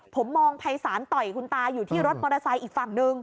ผมมองภัยศาลต่อยคุณตาอยู่ที่รถมอเตอร์ไซค์อีกฝั่งหนึ่ง